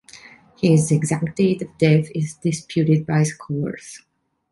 His exact day of death is disputed by scholars.